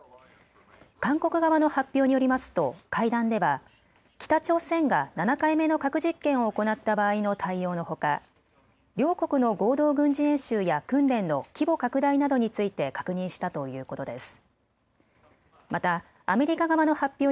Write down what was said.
韓国側の発表によりますと会談では北朝鮮が７回目の核実験を行った場合の対応のほか、両国の合同軍事演習や訓練の規模拡大などについて確認したということです。